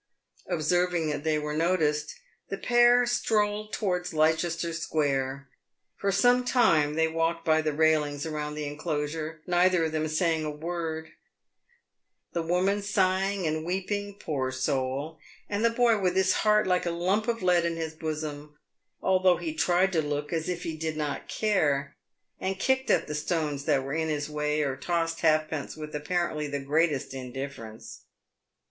Observing that they were noticed, the pair strolled towards Leices ter square. For some time they walked by the railings around the enclosure, neither of them saying a word, the woman sighing and weeping, poor soul ! and the boy with his heartlike a lump of lead in his bosom, although be tried to look as if he " did not care," and kicked at the stones that were in his way or tossed halfpence with apparently the greatest indifference.